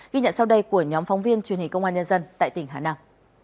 ghi nhận sau đây của nhóm phóng viên truyền hình công an nhân dân tại tỉnh hà nam